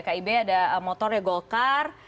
kib ada motornya golkar